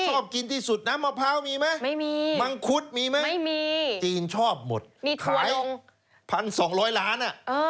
ชอบกินที่สุดนะมะพร้าวมีไหมมังคุดมีไหมจีนชอบหมดขาย๑๒๐๐ล้าน